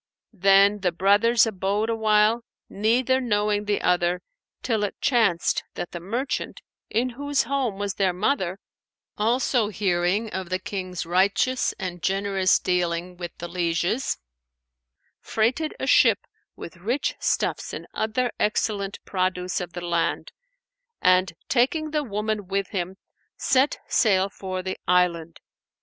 Then the brothers abode awhile, neither knowing the other, till it chanced that the merchant, in whose home was their mother, also hearing of the King's righteous and generous dealing with the lieges, freighted a ship with rich stuffs and other excellent produce of the land, and taking the woman with him, set sail for the island.